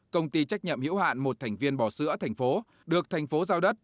công ty trách nhiệm hiểu hạn một thành viên bò sữa thành phố được thành phố giao đất